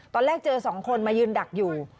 ตอนแรกเจอสองคนมายืนดักอยู่